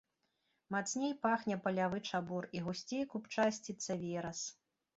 Мацней пахне палявы чабор і гусцей купчасціцца верас.